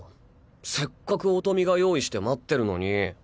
せっかく音美が用意して待ってるのに。